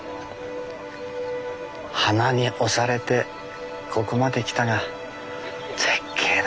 花に押されてここまで来たが絶景だね。